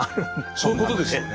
そういうことですよね。